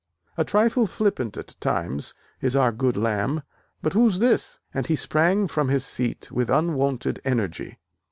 A trifle flippant at times, is our good Lamb.... But who's this?" and he sprang from his seat with unwonted energy.